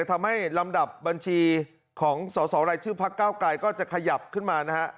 ทำให้ลำดับบัญชีของสหร่อยชื่อพระเก้าไกรก็จะขยับขึ้นมา